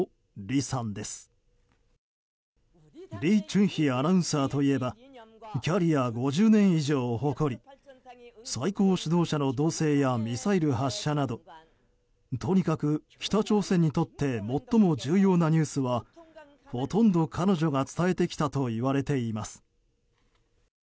リ・チュンヒアナウンサーといえばキャリア５０年以上を誇り最高指導者の動静やミサイル発射などとにかく北朝鮮にとって最も重要なニュースはほとんど彼女が伝えてきたといわれています。